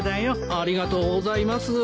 ありがとうございます。